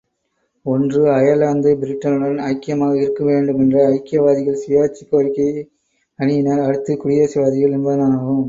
ஒன்று, அயர்லாந்து பிரிட்டனுடன் ஐக்கியமாக இருக்கவேண்டுமென்ற ஐக்கியவாதிகள் சுயாட்சி கோரிக்கை அணியினர் அடுத்து குடியரசுவாதிகள் என்பனவாகும்.